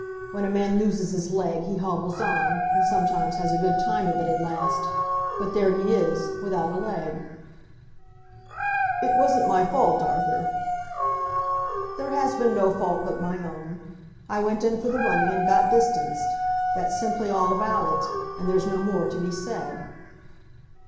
When a man loses his leg, he hobbles on, and sometimes has a good time of it at last; but there he is, without a leg." "It wasn't my fault, Arthur." "There has been no fault but my own. I went in for the running and got distanced. That's simply all about it, and there's no more to be said."